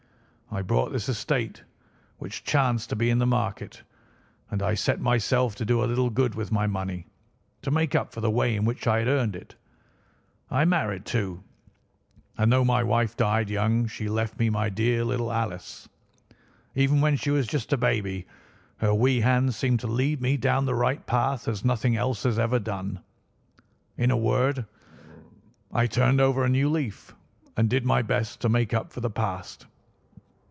I bought this estate, which chanced to be in the market, and I set myself to do a little good with my money, to make up for the way in which I had earned it. I married, too, and though my wife died young she left me my dear little Alice. Even when she was just a baby her wee hand seemed to lead me down the right path as nothing else had ever done. In a word, I turned over a new leaf and did my best to make up for the past.